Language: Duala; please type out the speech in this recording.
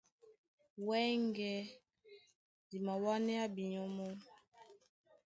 Wɛ́ŋgɛ̄ di mawánéá binyɔ́ mɔ́.